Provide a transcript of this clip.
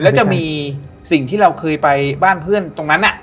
แล้วจะมีสิ่งที่เราเคยไปบ้านเพื่อนตรงนั้น